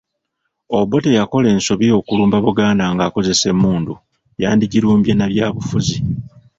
Obote yakola ensobi okulumba Buganda ng’akozesa emmundu, yandigirumbye na byabufuzi.